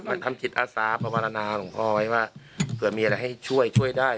มันทำจิตอาสาประมาณนาหลวงพ่อไว้ว่าเผื่อมีอะไรให้ช่วยช่วยได้